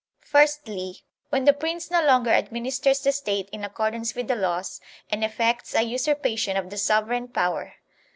Firstly, when the Prince no longer administers the State in accordance with the laws and effects a usurpation of the sovereign power.